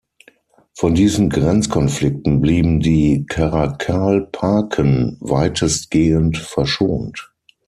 Von diesen Grenzkonflikten blieben die Karakalpaken weitestgehend verschont.